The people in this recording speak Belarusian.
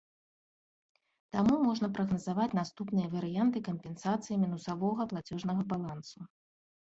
Таму можна прагназаваць наступныя варыянты кампенсацыі мінусовага плацежнага балансу.